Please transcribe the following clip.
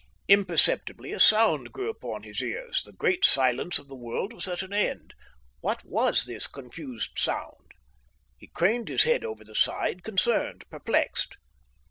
Imperceptibly a sound grew upon his ears. The great silence of the world was at an end. What was this confused sound? He craned his head over the side, concerned, perplexed.